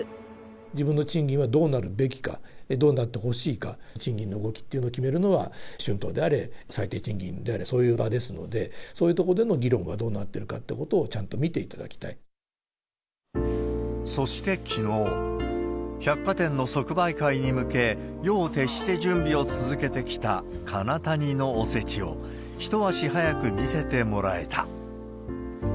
自分の賃金はどうなるべきか、どうなってほしいか、賃金の動きというのを決めるのは、春闘であれ、最低賃金であれ、そういう場ですので、そういうとこでの議論はどうなってるかというのをちゃんと見ていそして、きのう、百貨店の即売会に向け、夜を徹して準備を続けてきたかなたにのおせちを一足早く見せてもらえた。